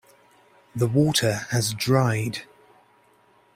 The water has dried.